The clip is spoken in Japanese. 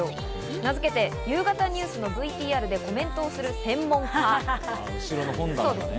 名付けて、夕方ニュースのＶＴＲでコメントをする専門家。